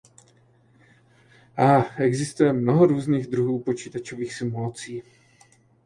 Existuje mnoho různých druhů počítačových simulací.